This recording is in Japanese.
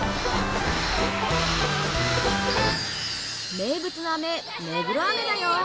名物の飴目黒飴だよ。